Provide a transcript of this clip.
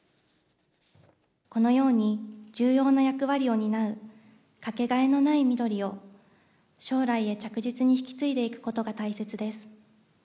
このように重要な役割を担う掛けがえのないみどりを、将来へ着実に引き継いでいくことが大切です。